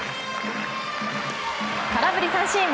空振り三振。